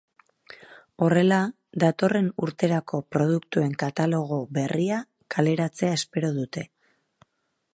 Horrela, datorren urterako produktuen katalogo berria kaleratzea espero dute.